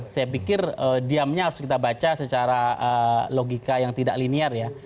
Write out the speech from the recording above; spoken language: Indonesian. saya pikir diamnya harus kita baca secara logika yang tidak linear ya